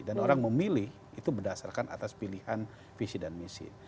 dan orang memilih itu berdasarkan atas pilihan visi dan misi